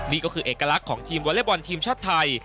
นี่ก็คือเอกลักษณ์ของทีมวอเล็กบอลทีมชาติไทย